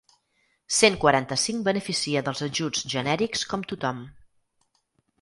Cent quaranta-cinc beneficia dels ajuts genèrics com tothom.